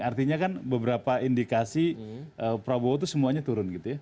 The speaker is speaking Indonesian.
artinya kan beberapa indikasi prabowo itu semuanya turun gitu ya